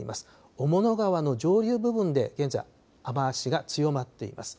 雄物川の上流部分で現在、雨足が強まっています。